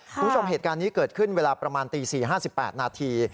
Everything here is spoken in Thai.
คุณผู้ชมเหตุการณ์นี้เกิดขึ้นเวลาประมาณตี๔๕๘นาที